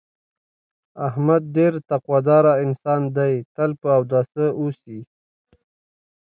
احمد ډېر تقوا داره انسان دی، تل په اوداسه اوسي.